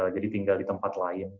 jadi tinggal di tempat lain